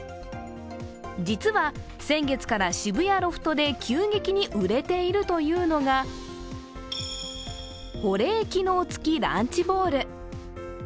実は先月から渋谷ロフトで急激に売れているというのが保冷機能付きランチボウル。